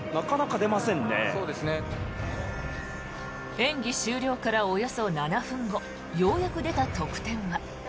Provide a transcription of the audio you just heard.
演技終了からおよそ７分後ようやく出た得点は。